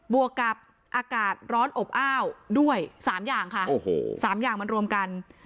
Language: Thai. วกกับอากาศร้อนอบอ้าวด้วย๓อย่างค่ะโอ้โห๓อย่างมันรวมกัน